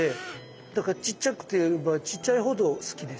だからちっちゃくてばちっちゃいほど好きです。